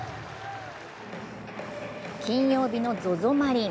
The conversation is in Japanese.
金曜日のＺＯＺＯマリン。